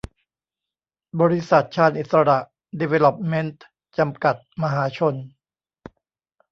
บริษัท ชาญอิสสระ ดีเวล็อปเมนท์ จำกัด มหาชน